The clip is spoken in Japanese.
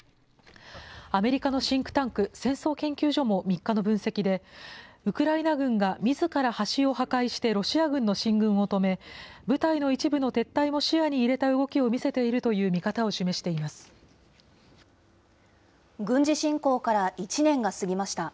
アメリカのシンクタンク、戦争研究所も３日の分析で、ウクライナ軍がみずから橋を破壊してロシア軍の進軍を止め、部隊の一部の撤退も視野に入れた動きを見せているという見方を示軍事侵攻から１年が過ぎました。